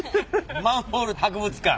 マンホール博物館？